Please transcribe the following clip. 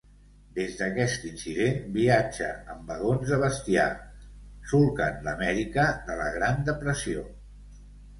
Des d'aquest incident, viatja en vagons de bestiar, solcant l'Amèrica de la Gran Depressió.